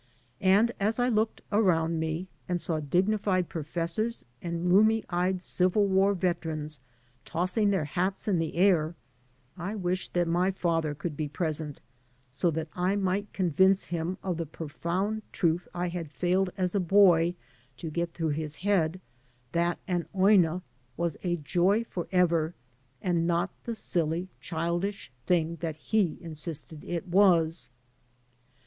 And as I looked around me and saw dignified professors and rheumy eyed Civil War veterans tossing their hats in the air, I wished that my father could be present so that I might convince him of the prof oimd truth I had failed as a boy to get through his head, that an "oina*' was a joy forever and not the silly chUdish thing that he insisted it was.